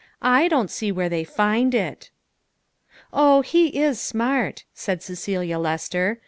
I don't see where they find it." "O, he is smart," said Cecelia Lester.